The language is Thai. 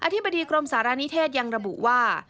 ธิบดีกรมสารณิเทศยังระบุว่า